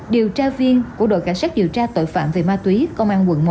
điều tra viên của đội cảnh sát điều tra tội phạm về ma túy công an quận một